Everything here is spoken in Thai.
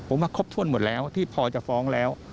ผมว่าครบถ้วนหมดแล้วที่พอจะฟ้องแล้ว